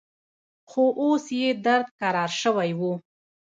خو اوس يې درد کرار سوى و.